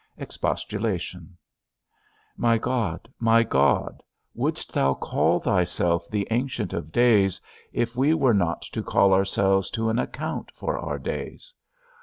XIV. EXPOSTULATION. My God, my God, wouldst thou call thyself the ancient of days, if we were not to call ourselves to an account for our days?